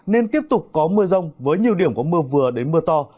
nên tiếp tục có mưa rông với nhiều điểm có mưa vừa đến mưa to